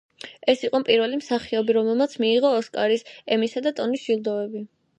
ის იყო პირველი მსახიობი, რომელმაც მიიღო ოსკარის, ემისა და ტონის ჯილდოები.